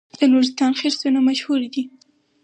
د نورستان خرسونه مشهور دي